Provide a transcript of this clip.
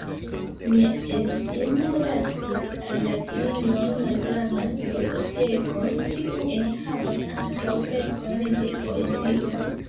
Mia edzino lasis al la filinoj malgrandan bibliotekon, kiu enhavas ankaŭ verkojn de poezio.